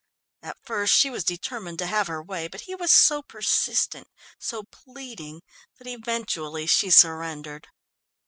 At first she was determined to have her way, but he was so persistent, so pleading, that eventually she surrendered.